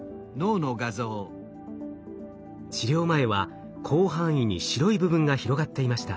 治療前は広範囲に白い部分が広がっていました。